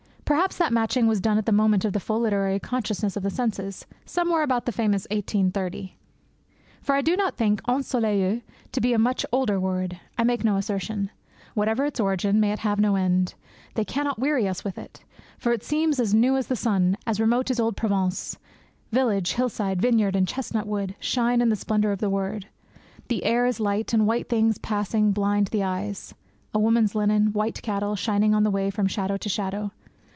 Perhaps that matching was done at the moment of the full literary consciousness of the senses, somewhere about the famous 1830. For I do not think ensoleille to be a much older word I make no assertion. Whatever its origin, may it have no end! They cannot weary us with it; for it seems as new as the sun, as remote as old Provence; village, hill side, vineyard, and chestnut wood shine in the splendour of the word, the air is light, and white things passing blind the eyes a woman's linen, white cattle, shining on the way from shadow to shadow.